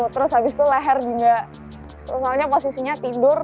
terus habis itu leher juga soalnya posisinya tidur